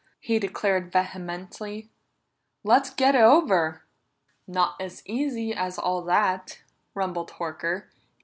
he declared vehemently. "Let's get it over!" "Not as easy as all that!" rumbled Horker.